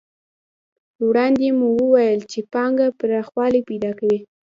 وړاندې مو وویل چې پانګه پراخوالی پیدا کوي